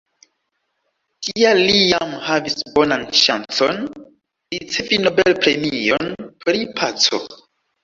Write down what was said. Tial li jam havis bonan ŝancon ricevi Nobel-premion pri paco.